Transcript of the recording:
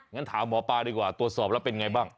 งั้นถามหมอปลาดีกว่าตรวจสอบแล้วเป็นไงบ้าง